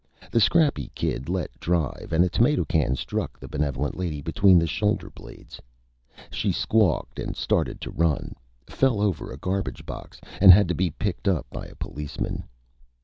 The Scrappy Kid let drive, and the Tomato Can struck the Benevolent Lady between the Shoulder Blades. She squawked and started to run, fell over a Garbage Box, and had to be picked up by a Policeman.